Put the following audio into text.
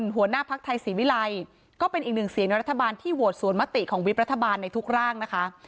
หัวหน้าภักดิ์ไทยศรีวิรัยก็เป็นอีกหนึ่งเสียงในรัฐบาลที่โหวตสวนมติของวิบรัฐบาลในทุกร่างนะคะ